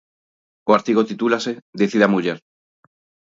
O artigo titúlase Decide a muller.